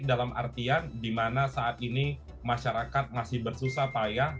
etik dalam artian dimana saat ini masyarakat masih bersusah payah